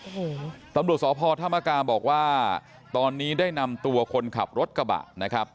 โอ้โหตำรวจสพธรรมกาบอกว่าตอนนี้ได้นำตัวคนขับรถกระบะนะครับ